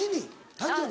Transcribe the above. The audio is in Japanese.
誕生日？